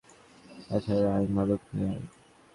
তাড়াতাড়ি আয়, মাদক নিয়ে আয়!